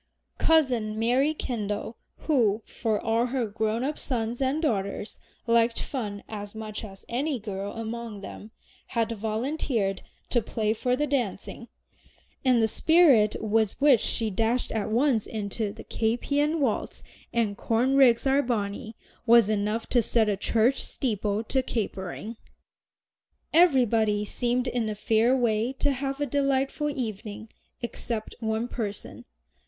Cousin Mary Kendal, who, for all her grown up sons and daughters liked fun as much as any girl among them, had volunteered to play for the dancing, and the spirit with which she dashed at once into "The Caspian Waltz" and "Corn Rigs are Bonny" was enough to set a church steeple to capering. Everybody seemed in a fair way to have a delightful evening except one person.